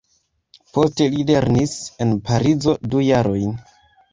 Poste li lernis en Parizo du jarojn.